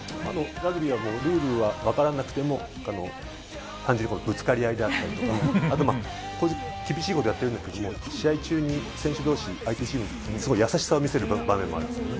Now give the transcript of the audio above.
ラグビーはもうルールは分からなくても、単純にぶつかり合いであったり、あと、厳しいことやってるんだけれども、試合中に選手どうし、相手チーム、すごい優しさを見せる場面もあります。